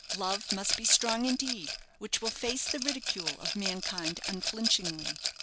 Love must be strong indeed which will face the ridicule of mankind unflinchingly.